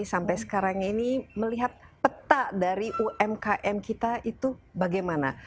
sampai sekarang ini melihat peta dari umkm kita itu bagaimana